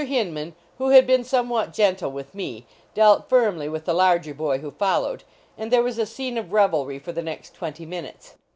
Hinman, who had been somewhat gen tle with me, dealt firmly with the lar^i T boy who followed, and there was a scene of revelry for the next twenty minutes.